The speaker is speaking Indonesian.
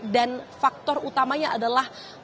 dan faktor utamanya adalah pengelolaan